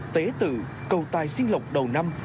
tế tự cầu tài xiên lộc đầu năm